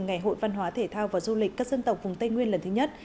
ngày hội văn hóa thể thao và du lịch các dân tộc vùng tây nguyên lần thứ nhất